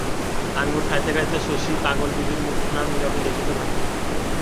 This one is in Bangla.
আঙুর খাইতে খাইতে শশী পাগলদিদির মুখখানা নীরবে দেখিতে থাকে।